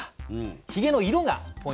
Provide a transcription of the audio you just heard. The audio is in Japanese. ひげの色がポイントです。